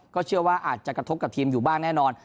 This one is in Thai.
เชื่อว่าอาจจะกระทบกับทีมอยู่บ้างแน่นอน